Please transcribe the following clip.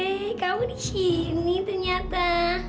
eh kamu di sini ternyata